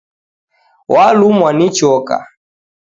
Walumwa ni choka